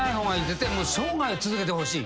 絶対生涯続けてほしい。